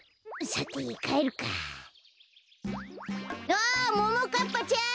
あっももかっぱちゃん！